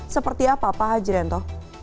seperti apa pak hajrento